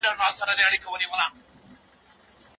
آيا د نوي واده لګښتونه خاوند ورکوي؟